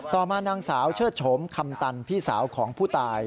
มานางสาวเชิดโฉมคำตันพี่สาวของผู้ตาย